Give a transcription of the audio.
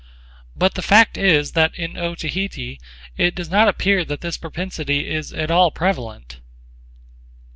But the fact is that in Otaheite it does not appear that this propensity is at all prevalent.